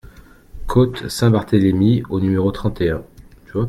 Côte Saint-Barthélémy au numéro trente et un